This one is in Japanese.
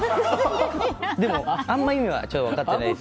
でも、あんま意味は分かってないですけど。